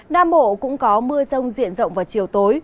nam bộ cũng có mưa rông diện rộng vào chiều tối